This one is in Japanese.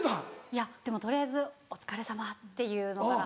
いやでも取りあえず「お疲れさま」っていうのから始まって。